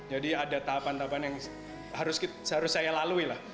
jadi ada tahapan tahapan yang harus saya lalui lah